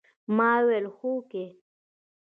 ما وويل هوکې.